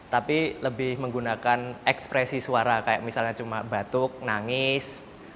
tapi lebih menggunakan ekspresi suara kayak misalnya cuma batuk nangis